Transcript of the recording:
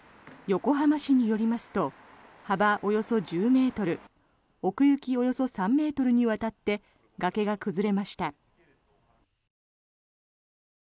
横浜市によりますと幅およそ１０ｍ奥行き、およそ３ｍにわたって崖が崩れました。